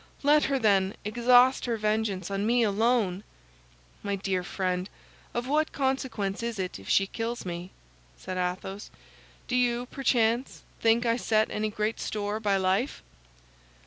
Let her, then, exhaust her vengeance on me alone!" "My dear friend, of what consequence is it if she kills me?" said Athos. "Do you, perchance, think I set any great store by life?"